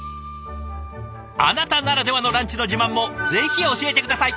あなたならではのランチの自慢もぜひ教えて下さい！